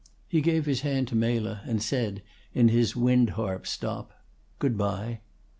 He gave his hand to Mela, and said, in his wind harp stop, "Good bye."